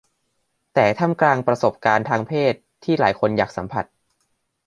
แต่ท่ามกลางประสบการณ์ทางเพศที่หลายคนอยากสัมผัส